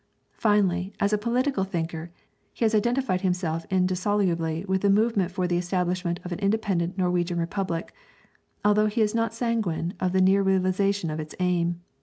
Finally, as a political thinker, he has identified himself indissolubly with the movement for the establishment of an independent Norwegian Republic, although he is not sanguine of the near realization of this aim.